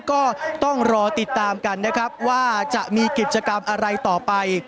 ก็ต้องรอติดตามกันนะครับว่าจะมีกิจกรรมอะไรต่อไป